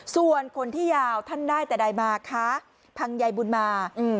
ส่วนคนที่ยาวท่านได้แต่ใดมาคะพังยายบุญมา